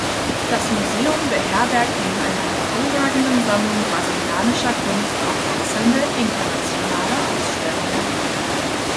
Das Museum beherbergt neben einer hervorragenden Sammlung brasilianischer Kunst auch wechselnde internationale Ausstellungen.